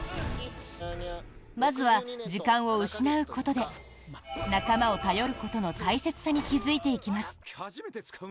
バズは時間を失うことで仲間を頼ることの大切さに気付いていきます。